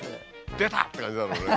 出た！って感じだろうね。